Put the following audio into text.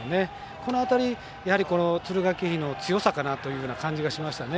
この辺り敦賀気比の強さかなという感じがしましたね。